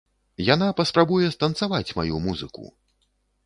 Яна паспрабуе станцаваць маю музыку!